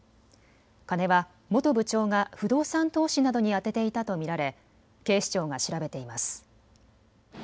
金は元部長が不動産投資などに充てていたと見られ警視庁が調べています。